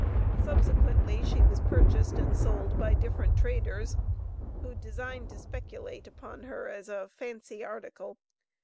Subsequently she was purchased and sold by different traders, who designed to speculate upon her as a "fancy article."